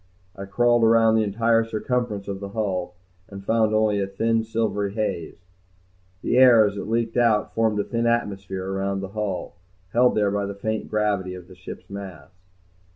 I crawled around the entire circumference of the hull and found only a thin silvery haze. The air as it leaked out formed a thin atmosphere around the hull, held there by the faint gravity of the ship's mass.